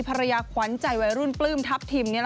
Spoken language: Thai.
ภรรยาขวัญใจวัยรุ่นปลื้มทัพทิม